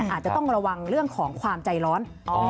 อาจจะต้องระวังเรื่องของความใจร้อน